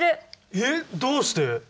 えっどうして？